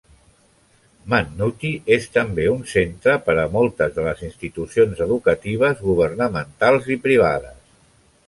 Mannuthy és també un centre per a moltes de les institucions educatives governamentals i privades.